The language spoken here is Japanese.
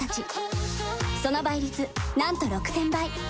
その倍率なんと６０００倍。